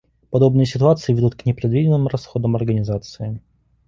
Подобные ситуации ведут к непредвиденным расходам организации